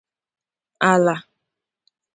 àlà